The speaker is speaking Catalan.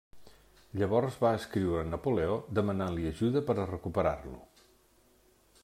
Llavors va escriure a Napoleó, demanant-li ajuda per a recuperar-lo.